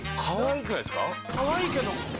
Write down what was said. かわいいけど。